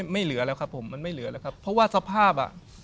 ไม่เหลือแล้วครับผมมันไม่เหลือแล้วครับเพราะว่าสภาพอ่ะ